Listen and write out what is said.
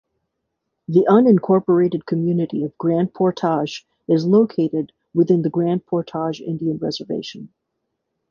The unincorporated community of Grand Portage is located within the Grand Portage Indian Reservation.